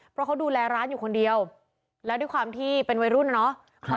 เพราะเขาดูแลร้านอยู่คนเดียวแล้วด้วยความที่เป็นวัยรุ่นนะเนาะ